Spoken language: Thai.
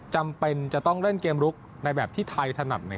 จำเป็นจะต้องเล่นเกมลุกในแบบที่ไทยถนัด